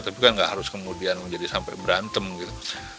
tapi kan nggak harus kemudian menjadi sampai berantem gitu